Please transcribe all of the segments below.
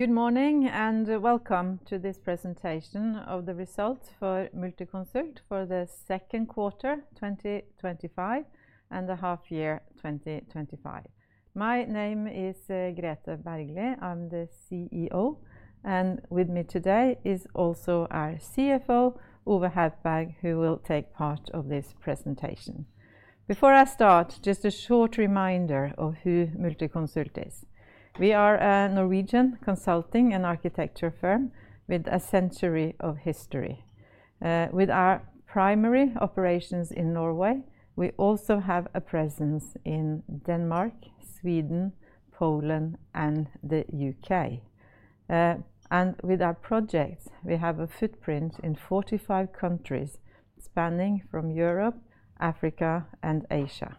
Good morning and welcome to this presentation of the Results for Multiconsult for the Second Quarter 2025 and the Half-Year 2025. My name is Grethe Bergly, I'm the CEO, and with me today is also our CFO, Ove Haupberg, who will take part of this presentation. Before I start, just a short reminder of who Multiconsult is. We are a Norwegian consulting and architecture firm with a century of history. With our primary operations in Norway, we also have a presence in Denmark, Sweden, Poland, and the U.K. With our projects, we have a footprint in 45 countries spanning from Europe, Africa, and Asia.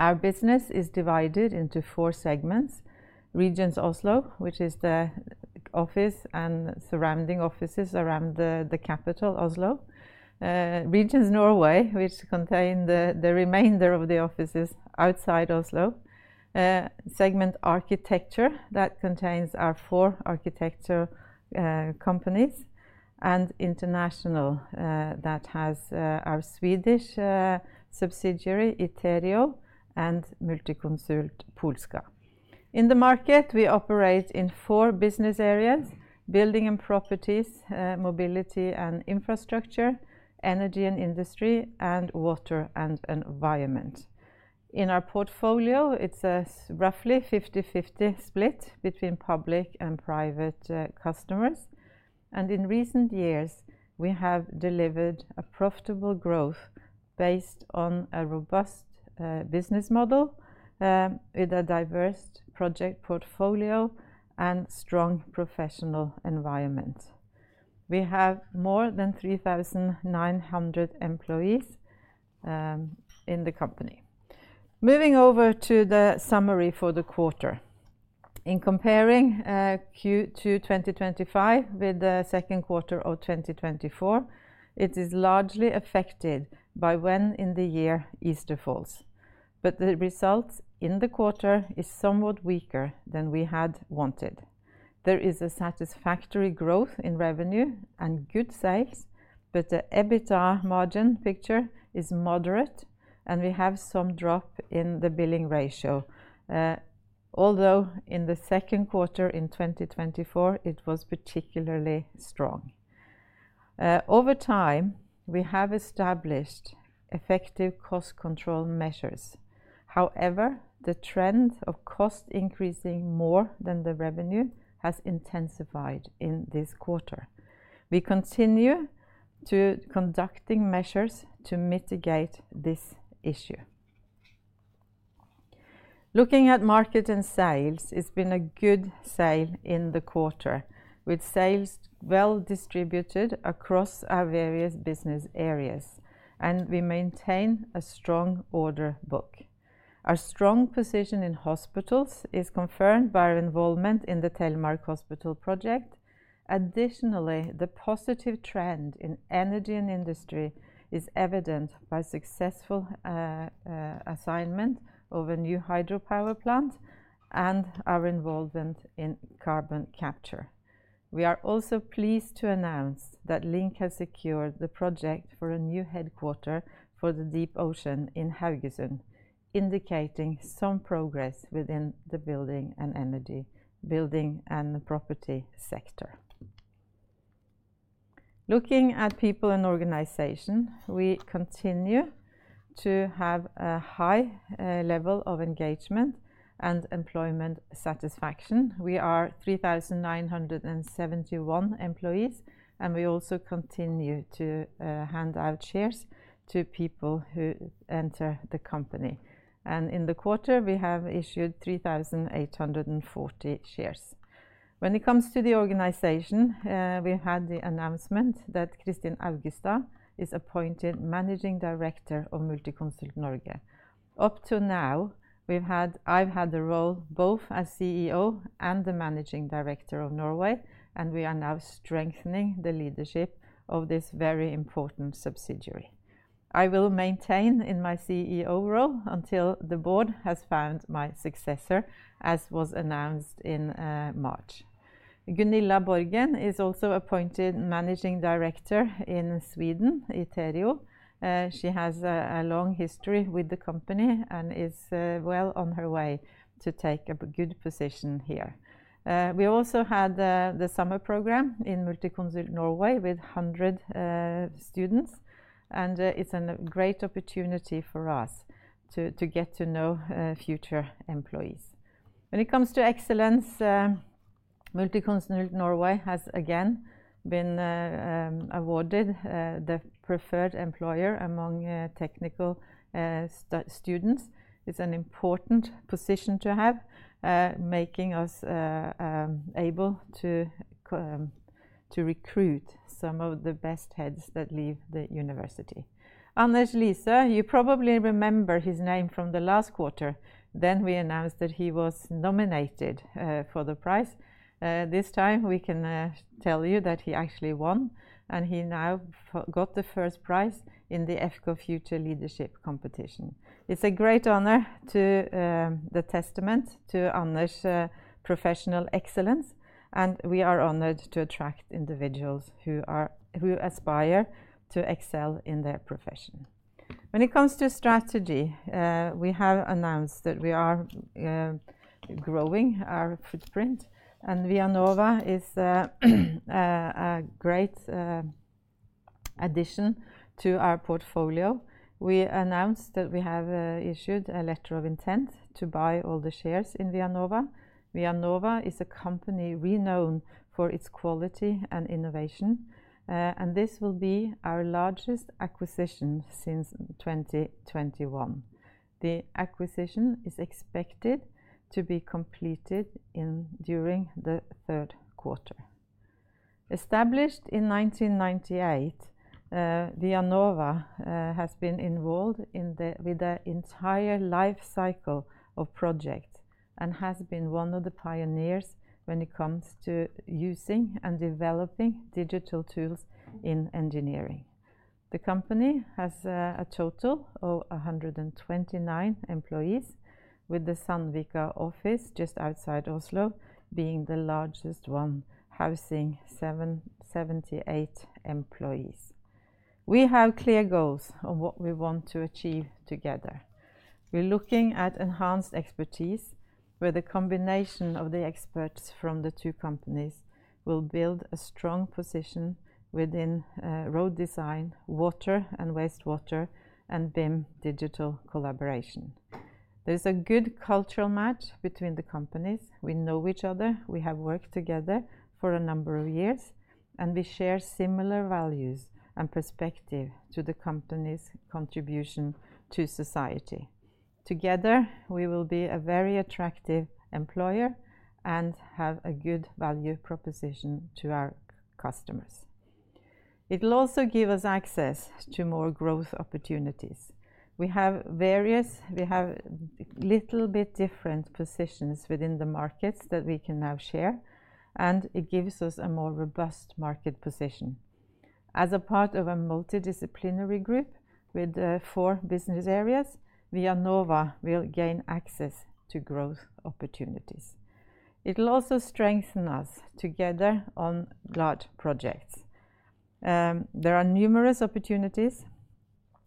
Our business is divided into four segments: Regions Oslo, which is the office and surrounding offices around the capital, Oslo; Regions Norway, which contains the remainder of the offices outside Oslo; segment architecture that contains our four architecture companies; and international, that has our Swedish subsidiary, Iterio, and Multiconsult Polska. In the market, we operate in four business areas: building and properties, mobility and infrastructure, energy and industry, and water and environment. In our portfolio, it's a roughly 50-50 split between public and private customers. In recent years, we have delivered a profitable growth based on a robust business model with a diverse project portfolio and strong professional environment. We have more than 3,900 employees in the company. Moving over to the summary for the quarter. In comparing Q2 2025 with the second quarter of 2024, it is largely affected by when in the year Easter falls. The results in the quarter are somewhat weaker than we had wanted. There is a satisfactory growth in revenue and good sales, but the EBITDA margin picture is moderate, and we have some drop in the billing ratio, although in the second quarter in 2024, it was particularly strong. Over time, we have established effective cost control measures. The trend of cost increasing more than the revenue has intensified in this quarter. We continue to conduct measures to mitigate this issue. Looking at market and sales, it's been a good sale in the quarter, with sales well distributed across our various business areas, and we maintain a strong order book. Our strong position in hospitals is confirmed by our involvement in the Telemark Hospital project. Additionally, the positive trend in energy and industry is evident by successful assignment of a new hydropower plant and our involvement in carbon capture. We are also pleased to announce that LINK has secured the project for a new headquarter for the Deep Ocean headquarters project in Haugesund, indicating some progress within the building and energy building and the property sector. Looking at people and organization, we continue to have a high level of engagement and employment satisfaction. We are 3,971 employees, and we also continue to hand out shares to people who enter the company. In the quarter, we have issued 3,840 shares. When it comes to the organization, we had the announcement that Kristin Augestad is appointed Managing Director of Multiconsult Norge. Up to now, I've had the role both as CEO and the Managing Director of Norway, and we are now strengthening the leadership of this very important subsidiary. I will maintain in my CEO role until the board has found my successor, as was announced in March. Gunilla Borgen is also appointed Managing Director in Sweden, Iterio. She has a long history with the company and is well on her way to take a good position here. We also had the summer program in Multiconsult Norge with 100 students, and it's a great opportunity for us to get to know future employees. When it comes to excellence, Multiconsult Norge has again been awarded the preferred employer among technical students. It's an important position to have, making us able to recruit some of the best heads that leave the university. Anders Liese, you probably remember his name from the last quarter. We announced that he was nominated for the prize. This time, we can tell you that he actually won, and he now got the first prize in the EFCO Future Leadership Competition. It's a great honor to the testament to Anders' professional excellence, and we are honored to attract individuals who aspire to excel in their profession. When it comes to strategy, we have announced that we are growing our footprint, and ViaNova is a great addition to our portfolio. We announced that we have issued a letter of intent to buy all the shares in ViaNova. ViaNova is a company we know for its quality and innovation, and this will be our largest acquisition since 2021. The acquisition is expected to be completed during the third quarter. Established in 1998, ViaNova has been involved with the entire life cycle of projects and has been one of the pioneers when it comes to using and developing digital tools in engineering. The company has a total of 129 employees, with the Sandvika office just outside Oslo being the largest one, housing 78 employees. We have clear goals on what we want to achieve together. We're looking at enhanced expertise, where the combination of the experts from the two companies will build a strong position within road design, water and wastewater, and BIM digital collaboration. There is a good cultural match between the companies. We know each other. We have worked together for a number of years, and we share similar values and perspective to the company's contribution to society. Together, we will be a very attractive employer and have a good value proposition to our customers. It will also give us access to more growth opportunities. We have a little bit different positions within the markets that we can now share, and it gives us a more robust market position. As a part of a multidisciplinary group with four business areas, ViaNova will gain access to growth opportunities. It will also strengthen us together on large projects. There are numerous opportunities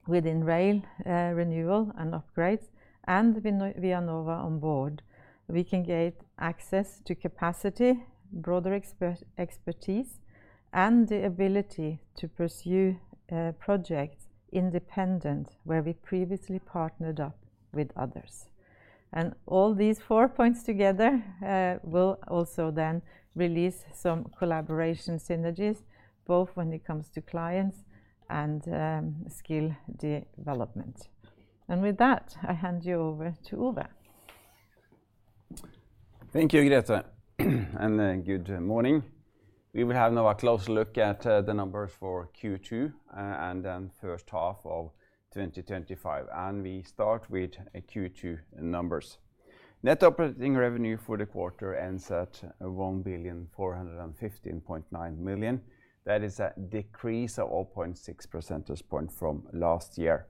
within rail renewal and upgrades, and with ViaNova on board, we can gain access to capacity, broader expertise, and the ability to pursue projects independent where we previously partnered up with others. All these four points together will also then release some collaboration synergies, both when it comes to clients and skill development. With that, I hand you over to Ove. Thank you, Grethe, and good morning. We will now have a closer look at the numbers for Q2 and then the first half of 2025. We start with Q2 numbers. Net operating revenue for the quarter ends at NOK 1.415.9 billion. That is a decrease of 0.6% from last year.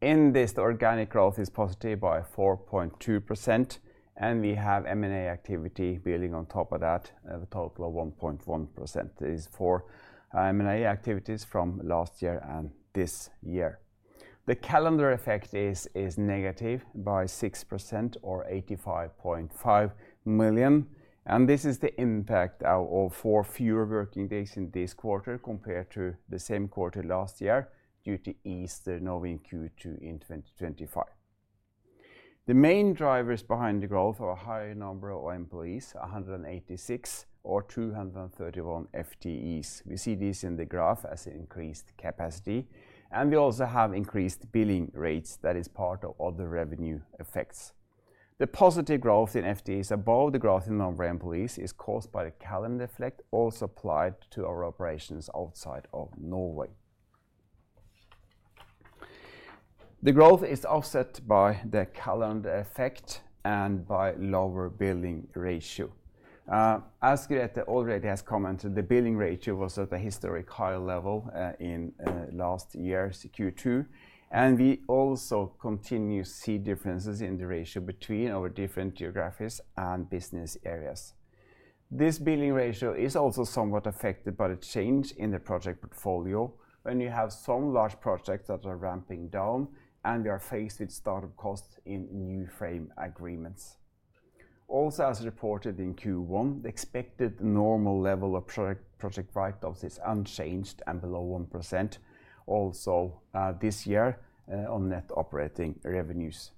In this, the organic growth is positive by 4.2%, and we have M&A activity building on top of that, a total of 1.1%. This is for M&A activities from last year and this year. The calendar effect is negative by 6% or 85.5 million. This is the impact of four fewer working days in this quarter compared to the same quarter last year due to Easter moving into Q2 in 2025. The main drivers behind the growth are a higher number of employees, 186 or 231 FTEs. We see this in the graph as an increased capacity, and we also have increased billing rates. That is part of the revenue effects. The positive growth in FTEs above the growth in number of employees is caused by the calendar effect also applied to our operations outside of Norway. The growth is offset by the calendar effect and by a lower billing ratio. As Grethe already has commented, the billing ratio was at the historic high level in last year's Q2. We also continue to see differences in the ratio between our different geographies and business areas. This billing ratio is also somewhat affected by the change in the project portfolio when you have some large projects that are ramping down, and we are faced with startup costs in new frame agreements. Also, as reported in Q1, the expected normal level of project write-offs is unchanged and below 1% also this year on net operating revenues.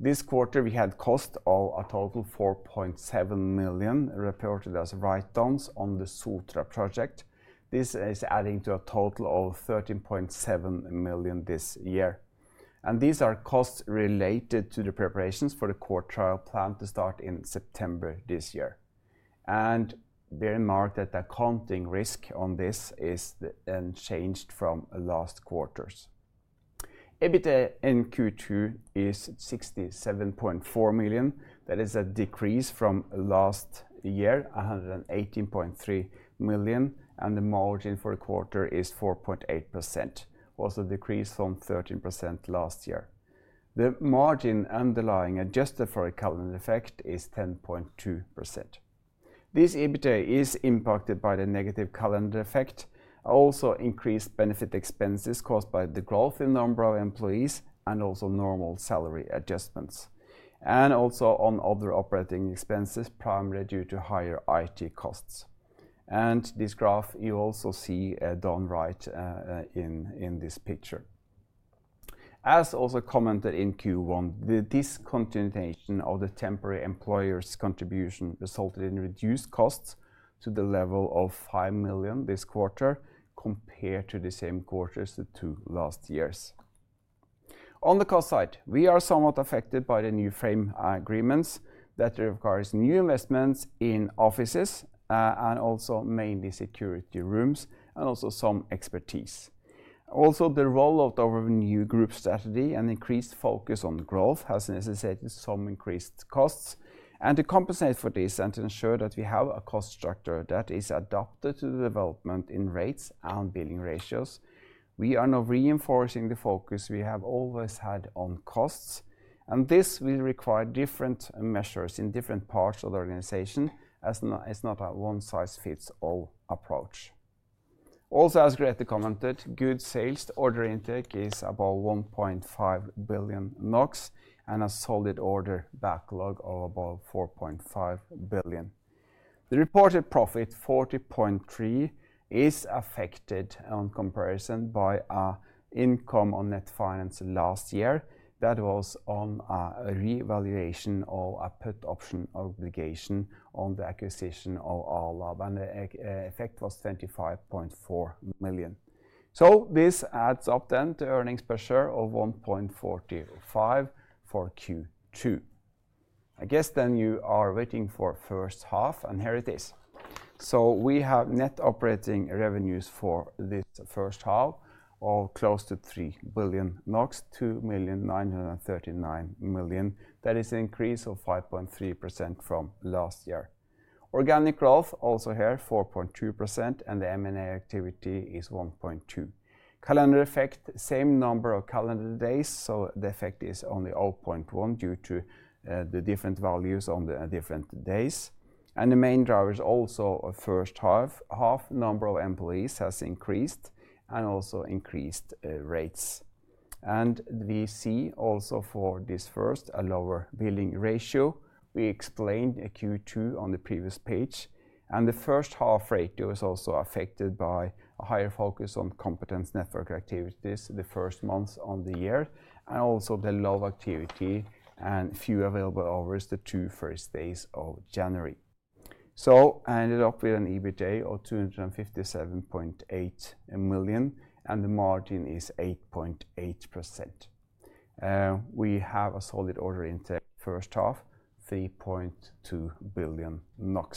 This quarter, we had costs of a total of 4.7 million reported as write-downs on the Sultra project. This is adding to a total of 13.7 million this year. These are costs related to the preparations for the core trial planned to start in September this year. Bear in mind that the accounting risk on this is unchanged from last quarter. EBITDA in Q2 is 67.4 million. That is a decrease from last year, 118.3 million. The margin for the quarter is 4.8%, also decreased from 13% last year. The margin underlying adjusted for a calendar effect is 10.2%. This EBITDA is impacted by the negative calendar effect, also increased benefit expenses caused by the growth in the number of employees and also normal salary adjustments, and also on other operating expenses, primarily due to higher IT costs. In this graph you also see this directly in this picture. As also commented in Q1, the discontinuation of the temporary employer's contribution resulted in reduced costs to the level of 5 million this quarter compared to the same quarters of the two last years. On the cost side, we are somewhat affected by the new frame agreements that require new investments in offices and also mainly security rooms and also some expertise. Also, the role of the revenue group strategy and increased focus on growth has necessitated some increased costs. To compensate for this and to ensure that we have a cost structure that is adapted to the development in rates and billing ratios, we are now reinforcing the focus we have always had on costs. This will require different measures in different parts of the organization as it's not a one-size-fits-all approach. Also, as Grethe commented, good sales, the order intake is about 1.5 billion NOK and a solid order backlog of about 4.5 billion. The reported profit, 40.3 million, is affected in comparison by an income on net finance last year that was on a revaluation of a put option obligation on the acquisition of ARLab, and the effect was 25.4 million. This adds up then to earnings per share of 1.45 for Q2. I guess you are waiting for the first half, and here it is. We have net operating revenues for this first half of close to 3 billion NOK, 2,939 million. That is an increase of 5.3% from last year. Organic growth also here 4.2%, and the M&A activity is 1.2%. Calendar effect, same number of calendar days, so the effect is only 0.1% due to the different values on the different days. The main drivers also are the first half, half number of employees has increased and also increased rates. We see also for this first a lower billing ratio. We explained Q2 on the previous page, and the first half rate was also affected by a higher focus on competence network activities in the first months of the year and also the low activity and few available hours the two first days of January. I ended up with an EBITDA of 257.8 million, and the margin is 8.8%. We have a solid order intake first half, 3.2 billion NOK.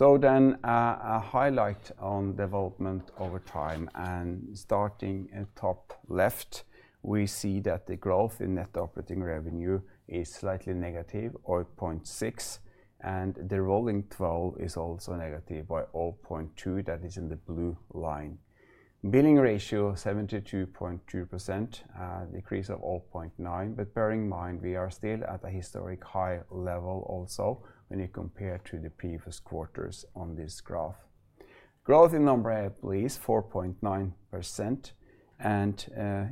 A highlight on development over time, and starting top left, we see that the growth in net operating revenue is slightly negative at 0.6%, and the rolling throw is also negative by 0.2%. That is in the blue line. Billing ratio 72.2%, decrease of 0.9%, but bear in mind we are still at a historic high level also when you compare to the previous quarters on this graph. Growth in number of employees, 4.9%.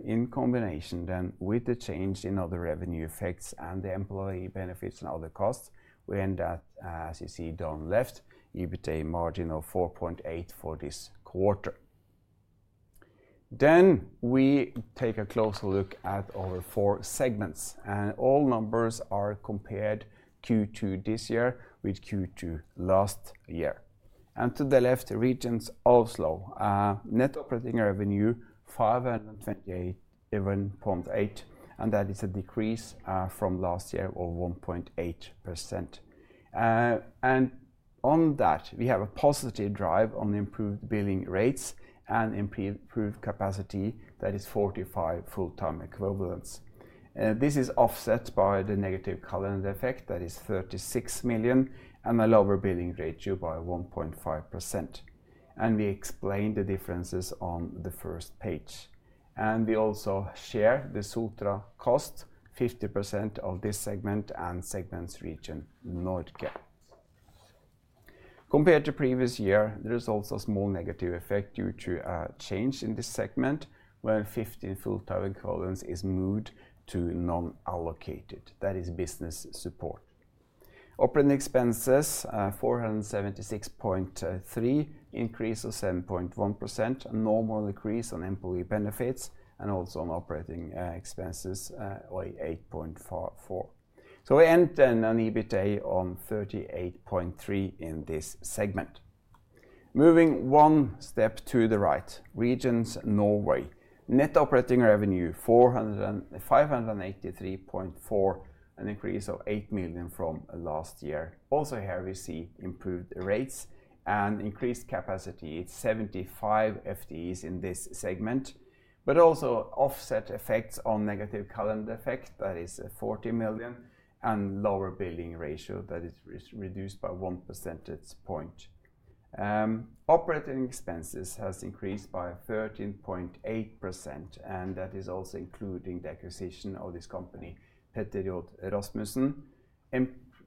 In combination with the change in other revenue effects and the employee benefits and other costs, we end up, as you see down left, EBITDA margin of 4.8% for this quarter. We take a closer look at our four segments, and all numbers are compared Q2 this year with Q2 last year. To the left, Regions Oslo, net operating revenue 527.8 million, and that is a decrease from last year of 1.8%. On that, we have a positive drive on the improved billing rates and improved capacity. That is 45 full-time equivalents. This is offset by the negative calendar effect. That is 36 million and a lower billing ratio by 1.5%. We explain the differences on the first page. We also share the Sultra costs, 50% of this segment and segment's region Nordkapp. Compared to previous year, there is also a small negative effect due to a change in this segment when 15 full-time equivalents are moved to non-allocated. That is business support. Operating expenses 476.3 million, increase of 7.1%, a normal increase on employee benefits and also on operating expenses by 8.4 million. We end then an EBITDA of 38.3 million in this segment. Moving one step to the right, Regions Norway, net operating revenue 583.4 million, an increase of 8 million from last year. Also here, we see improved rates and increased capacity. It's 75 FTEs in this segment, but also offset effects on negative calendar effect. That is 40 million and lower billing ratio that is reduced by 1%. Operating expenses have increased by 13.8%, and that is also including the acquisition of this company, Petterud Rasmussen.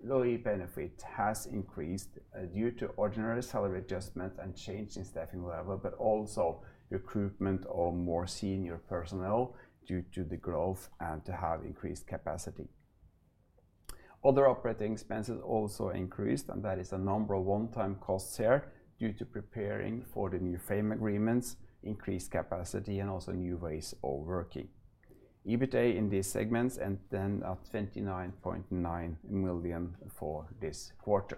Employee benefits have increased due to ordinary salary adjustment and change in staffing level, but also recruitment of more senior personnel due to the growth and to have increased capacity. Other operating expenses also increased, and that is a number of one-time costs here due to preparing for the new frame agreements, increased capacity, and also new ways of working. EBITDA in these segments ends then at 29.9 million for this quarter.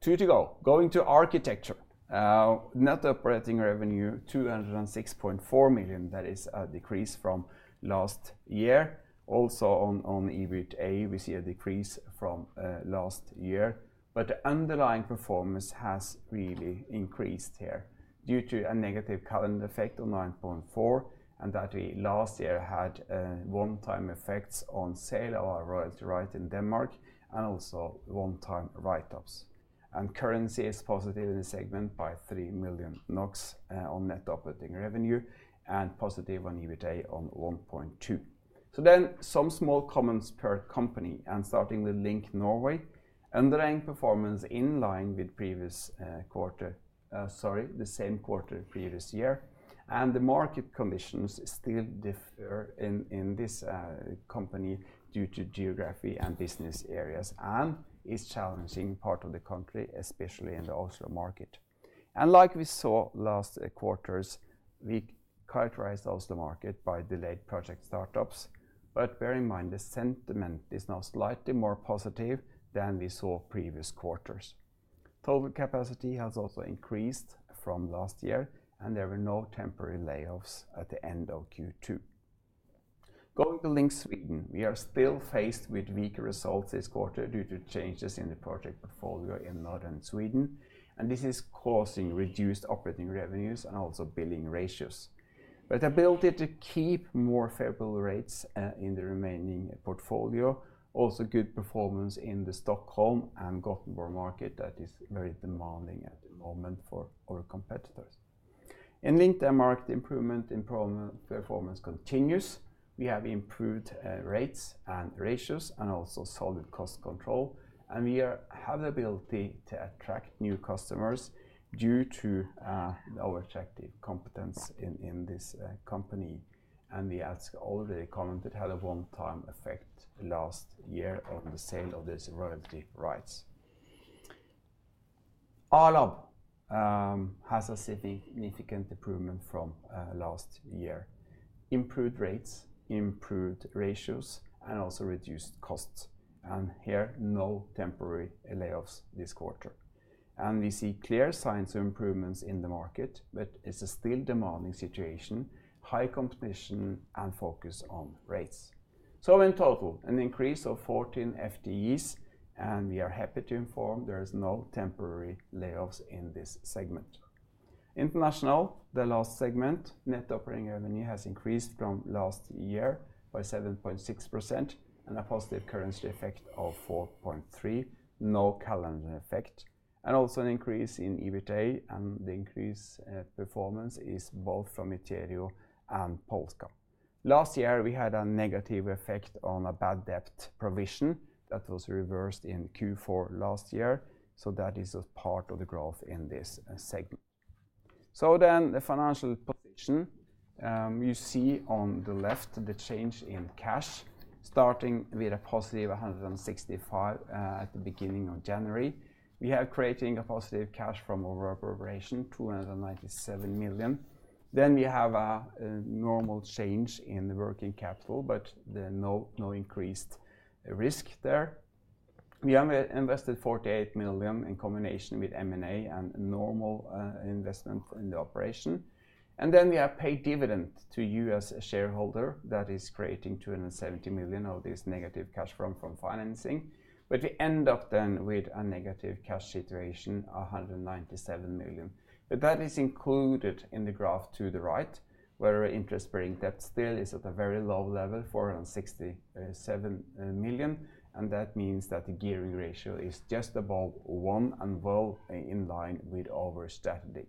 Two to go, going to architecture. Net operating revenue 206.4 million. That is a decrease from last year. Also on EBITDA, we see a decrease from last year, but the underlying performance has really increased here due to a negative calendar effect of 9.4 million, and that we last year had one-time effects on sale of our royalty rights in Denmark and also one-time write-offs. Currency is positive in the segment by 3 million NOK on net operating revenue and positive on EBITDA by 1.2 million. Some small comments per company, starting with LINK Norway: underlying performance is in line with the same quarter previous year, and the market conditions still differ in this company due to geography and business areas. It is a challenging part of the country, especially in the Oslo market. Like we saw last quarters, we characterize the Oslo market by delayed project startups, but bear in mind the sentiment is now slightly more positive than we saw previous quarters. Total capacity has also increased from last year, and there were no temporary layoffs at the end of Q2. Going to LINK Sweden, we are still faced with weaker results this quarter due to changes in the project portfolio in Northern Sweden, and this is causing reduced operating revenues and also billing ratios. The ability to keep more favorable rates in the remaining portfolio, also good performance in the Stockholm and Gothenburg market, that is very demanding at the moment for our competitors. In LINK, their market improvement in performance continues. We have improved rates and ratios and also solid cost control, and we have the ability to attract new customers due to our attractive competence in this company. As already commented, we had a one-time effect last year on the sale of this royalty rights. ARLab has a significant improvement from last year. Improved rates, improved ratios, and also reduced costs. Here, no temporary layoffs this quarter. We see clear signs of improvements in the market, but it's a still demanding situation, high competition, and focus on rates. In total, an increase of 14 FTEs, and we are happy to inform there are no temporary layoffs in this segment. International, the last segment, net operating revenue has increased from last year by 7.6% and a positive currency effect of 4.3%, no calendar effect, and also an increase in EBITDA. The increased performance is both from Iterio and Polska. Last year, we had a negative effect on a bad debt provision that was reversed in Q4 last year. That is a part of the growth in this segment. The financial position: you see on the left the change in cash, starting with a positive 165 million at the beginning of January. We are creating a positive cash from our appropriation, 297 million. We have a normal change in the working capital, but no increased risk there. We have invested 48 million in combination with M&A activity and normal investment in the operation. We have paid dividend to a U.S. shareholder that is creating 270 million of this negative cash from financing. We end up then with a negative cash situation, 197 million. That is included in the graph to the right, where interest-bearing debt still is at a very low level, 467 million. That means that the gearing ratio is just above 1% and well in line with our strategy.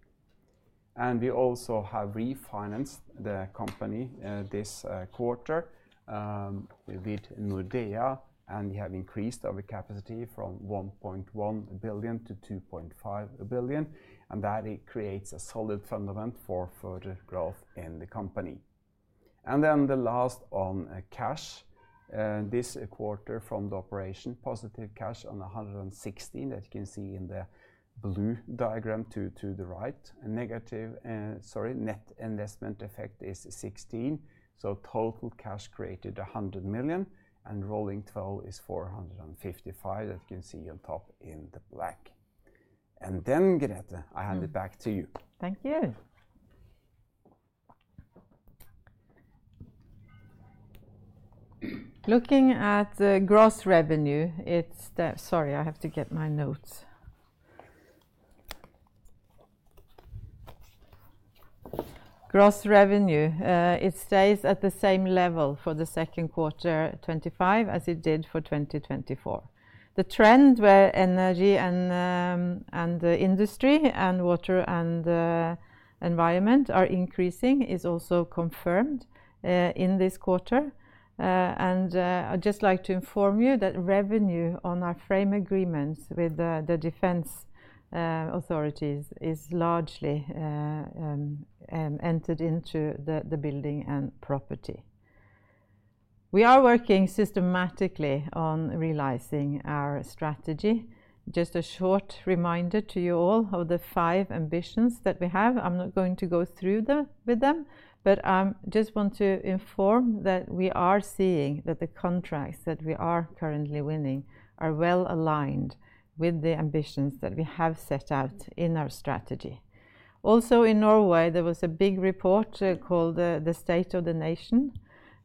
We also have refinanced the company this quarter with Nordea, and we have increased our capacity from 1.1 billion to 2.5 billion. That creates a solid fundament for further growth in the company. The last on cash, this quarter from the operation, positive cash on 116 million that you can see in the blue diagram to the right. Sorry, net investment effect is 16 million. So total cash created 100 million, and rolling throw is 455 million that you can see on top in the black. Grethe, I hand it back to you. Thank you. Looking at the gross revenue, it's the, sorry, I have to get my notes. Gross revenue stays at the same level for the second quarter 2025 as it did for 2024. The trend where energy and the industry and water and environment are increasing is also confirmed in this quarter. I'd just like to inform you that revenue on our frame agreements with the defense authorities is largely entered into the building and property. We are working systematically on realizing our strategy. Just a short reminder to you all of the five ambitions that we have. I'm not going to go through them, but I just want to inform that we are seeing that the contracts that we are currently winning are well aligned with the ambitions that we have set out in our strategy. Also, in Norway, there was a big report called the State of the Nation.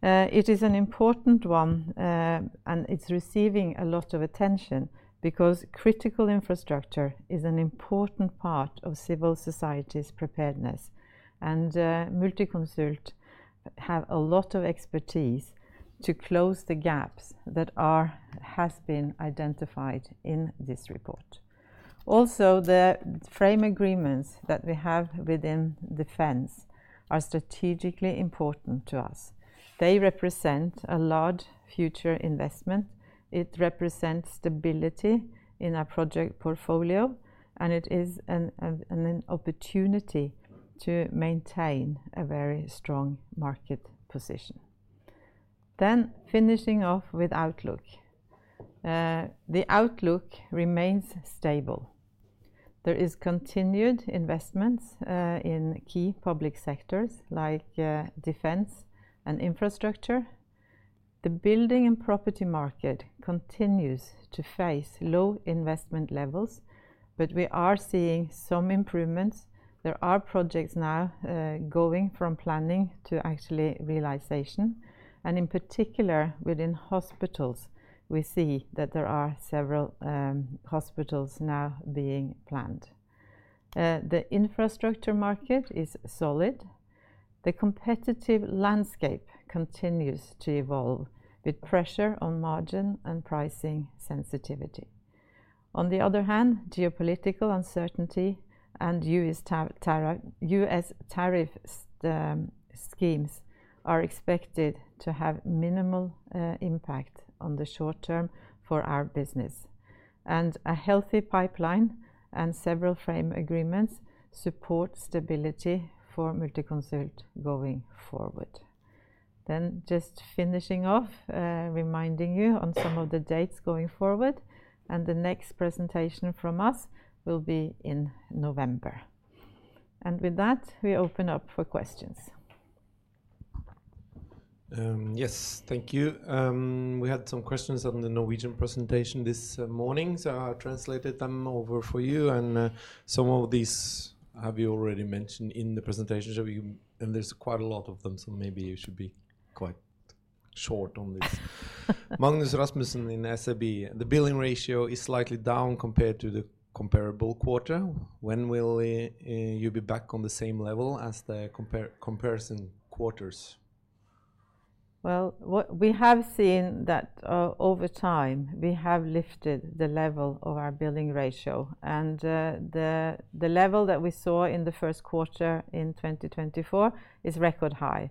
It is an important one, and it's receiving a lot of attention because critical infrastructure is an important part of civil society's preparedness. Multiconsult has a lot of expertise to close the gaps that have been identified in this report. Also, the frame agreements that we have within defense are strategically important to us. They represent a large future investment. It represents stability in our project portfolio, and it is an opportunity to maintain a very strong market position. Finishing off with outlook. The outlook remains stable. There are continued investments in key public sectors like defense and infrastructure. The building and property market continues to face low investment levels, but we are seeing some improvements. There are projects now going from planning to actually realization. In particular, within hospitals, we see that there are several hospitals now being planned. The infrastructure market is solid. The competitive landscape continues to evolve with pressure on margin and pricing sensitivity. On the other hand, geopolitical uncertainty and U.S. tariff schemes are expected to have minimal impact on the short term for our business. A healthy pipeline and several frame agreements support stability for Multiconsult going forward. Just finishing off, reminding you on some of the dates going forward. The next presentation from us will be in November. With that, we open up for questions. Yes, thank you. We had some questions on the Norwegian presentation this morning. I translated them over for you. Some of these you already mentioned in the presentation. There are quite a lot of them, so maybe you should be quite short on this. Magnus Rasmussen in SEB, the billing ratio is slightly down compared to the comparable quarter. When will you be back on the same level as the comparison quarters? What we have seen that we have lifted the level of our billing ratio. The level that we saw in the first quarter in 2024 is record high.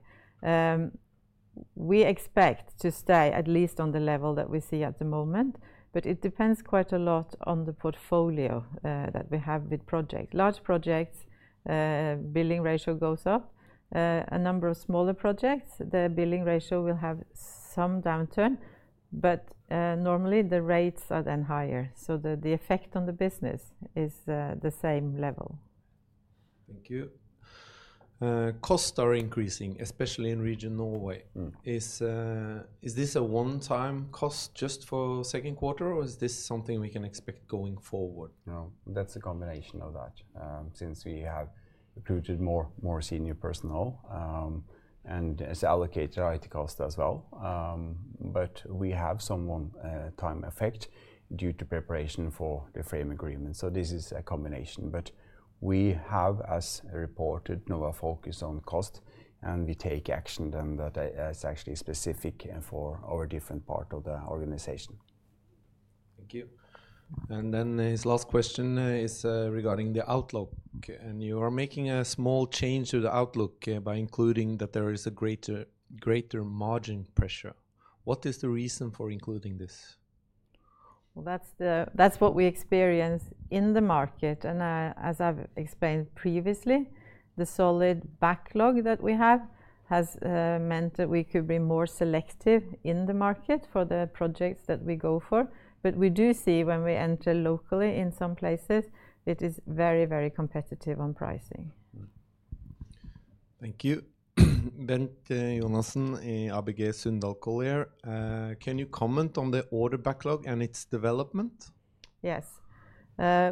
We expect to stay at least on the level that we see at the moment, but it depends quite a lot on the portfolio that we have with projects. Large projects, the billing ratio goes up. A number of smaller projects, the billing ratio will have some downturn, but normally the rates are then higher. The effect on the business is the same level. Thank you. Costs are increasing, especially in Region Norway. Is this a one-time cost just for the second quarter, or is this something we can expect going forward? That's a combination of that since we have recruited more senior personnel and has allocated IT costs as well. We have some one-time effect due to preparation for the frame agreement. This is a combination. We have, as reported, focused on cost, and we take action that is actually specific for our different part of the organization. Thank you. His last question is regarding the outlook. You are making a small change to the outlook by including that there is a greater margin pressure. What is the reason for including this? That is what we experience in the market. As I've explained previously, the solid backlog that we have has meant that we could be more selective in the market for the projects that we go for. We do see when we enter locally in some places, it is very, very competitive on pricing. Thank you. Bengt Jonassen in ABG Sundal Collier. Can you comment on the order backlog and its development? Yes.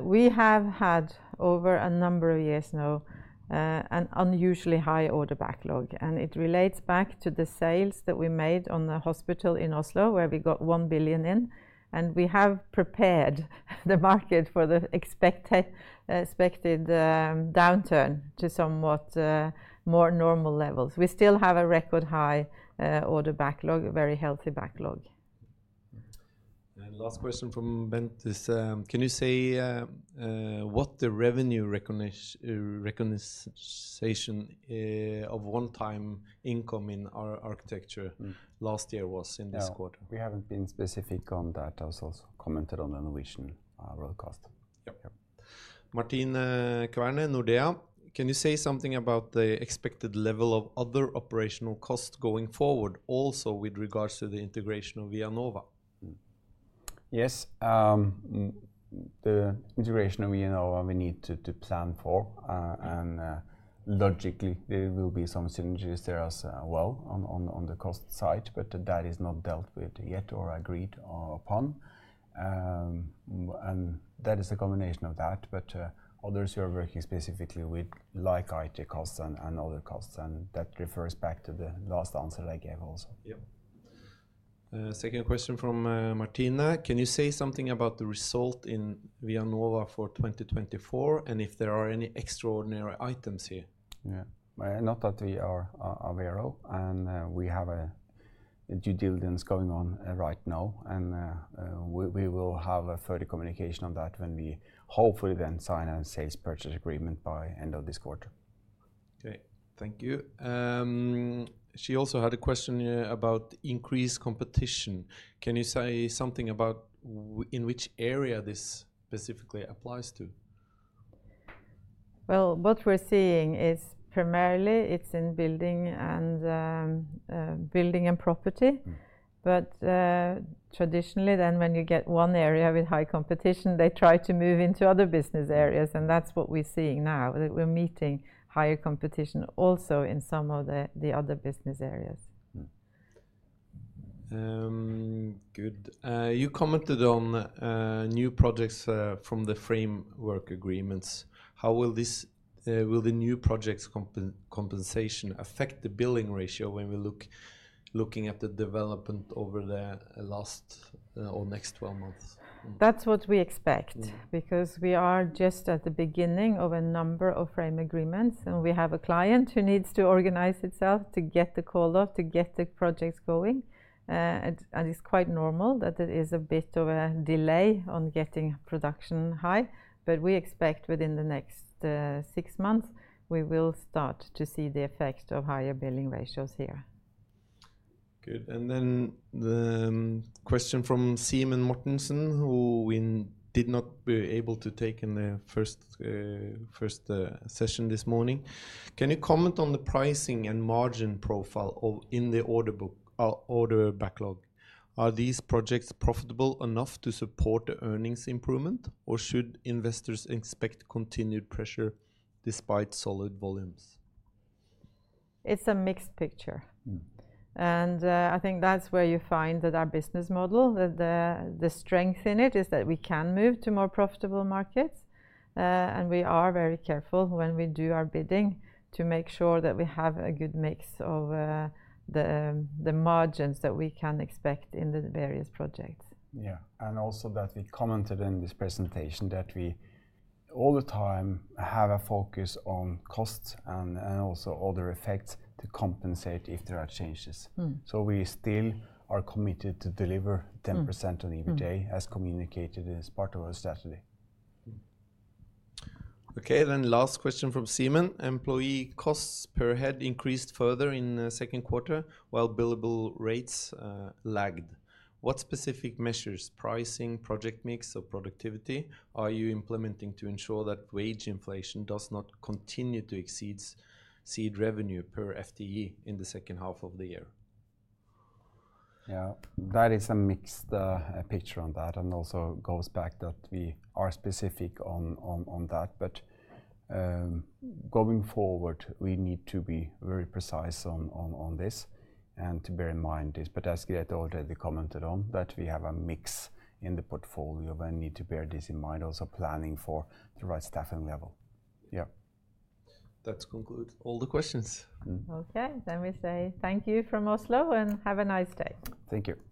We have had over a number of years now an unusually high order backlog. It relates back to the sales that we made on the hospital in Oslo, where we got 1 billion in. We have prepared the market for the expected downturn to somewhat more normal levels. We still have a record high order backlog, a very healthy backlog. The last question from Bengt is, can you say what the revenue recognition of one-time income in our architecture last year was in this quarter? We haven't been specific on that. I also commented on the Norwegian road cost. Yep. Martine Kverne, Nordea, can you say something about the expected level of other operational costs going forward, also with regards to the integration of ViaNova? Yes. The integration of ViaNova, we need to plan for. Logically, there will be some synergies there as well on the cost side, but that is not dealt with yet or agreed upon. That is a combination of that. Others who are working specifically with like IT costs and other costs, and that refers back to the last answer I gave also. Yes. Second question from Martina. Can you say something about the result in ViaNova for 2024, and if there are any extraordinary items here? Not that we are aware of. We have a due diligence going on right now, and we will have further communication on that when we hopefully then sign a sales purchase agreement by the end of this quarter. Great. Thank you. She also had a question about increased competition. Can you say something about in which area this specifically applies to? What we're seeing is primarily it's in building and property. Traditionally, when you get one area with high competition, they try to move into other business areas. That's what we're seeing now, that we're meeting higher competition also in some of the other business areas. Good. You commented on new projects from the framework agreements. How will the new projects' compensation affect the billing ratio when we're looking at the development over the last or next 12 months? That's what we expect because we are just at the beginning of a number of frame agreements. We have a client who needs to organize itself to get the call off, to get the projects going. It is quite normal that there is a bit of a delay on getting production high. We expect within the next six months, we will start to see the effect of higher billing ratios here. Good. The question from Simon Mortensen, who we did not be able to take in the first session this morning: Can you comment on the pricing and margin profile in the order backlog? Are these projects profitable enough to support the earnings improvement, or should investors expect continued pressure despite solid volumes? It's a mixed picture. I think that's where you find that our business model, the strength in it is that we can move to more profitable markets. We are very careful when we do our bidding to make sure that we have a good mix of the margins that we can expect in the various projects. We commented in this presentation that we all the time have a focus on costs and also other effects to compensate if there are changes. We still are committed to deliver 10% on EBITDA as communicated as part of our strategy. Okay. Last question from Simon. Employee costs per head increased further in the second quarter while billable rates lagged. What specific measures, pricing, project mix, or productivity are you implementing to ensure that wage inflation does not continue to exceed revenue per FTE in the second half of the year? Yeah. That is a mixed picture on that and also goes back that we are specific on that. Going forward, we need to be very precise on this and to bear in mind this. As Grethe already commented on, we have a mix in the portfolio and need to bear this in mind also planning for the right staffing level. Yeah, that concludes all the questions. Okay, we say thank you from Oslo and have a nice day. Thank you.